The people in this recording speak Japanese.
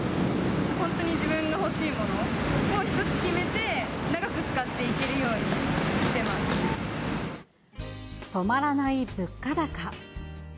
本当に自分の欲しいものを一つ決めて、長く使っていけるよう止まらない物価高。